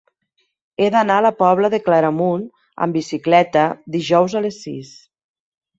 He d'anar a la Pobla de Claramunt amb bicicleta dijous a les sis.